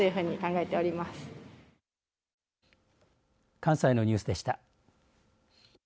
関西のニュースでした。